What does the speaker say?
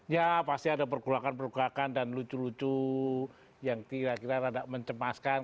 ya pasti ada pergolakan pergerakan dan lucu lucu yang kira kira rada mencemaskan